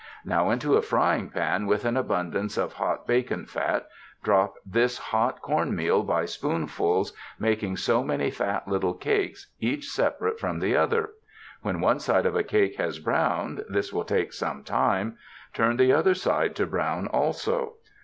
Now into a frying pan with an abundance of hot bacon fat, drop this hot corn meal by spoonfuls making so many fat little cakes, each separate from the other. When one side of a cake has browned — this will take some time — turn the other side to brown also.